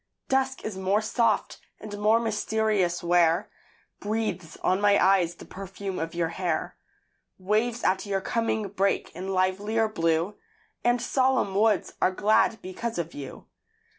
Dusk is more soft and more mysterious where Breathes on my eyes the perfume of your hair. Waves at your coming break in livelier blue; And solemn woods are glad because of you.